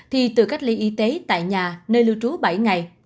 thì từ cách ly y tế tại nhà nơi lưu trú bảy ngày